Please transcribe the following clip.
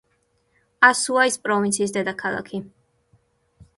ასუაის პროვინციის დედაქალაქი.